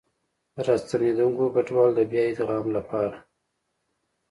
د راستنېدونکو کډوالو د بيا ادغام لپاره